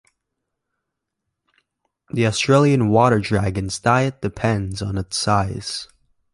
The Australian water dragon's diet depends on its size.